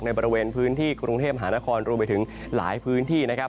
บริเวณพื้นที่กรุงเทพหานครรวมไปถึงหลายพื้นที่นะครับ